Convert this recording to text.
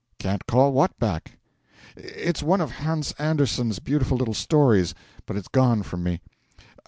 'Can't call what back?' 'It's one of Hans Andersen's beautiful little stories. But it's gone fro me.